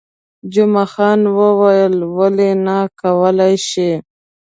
جمعه خان وویل، ولې نه، کولای شئ.